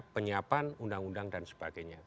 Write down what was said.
penyiapan undang undang dan sebagainya